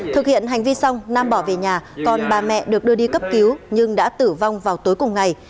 thực hiện hành vi xong nam bỏ về nhà còn bà mẹ được đưa đi cấp cứu nhưng đã tử vong vào tối cùng ngày